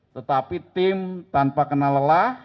tetapi tim tanpa kena lelah